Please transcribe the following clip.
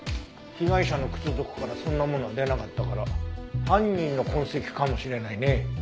被害者の靴底からそんなものは出なかったから犯人の痕跡かもしれないね。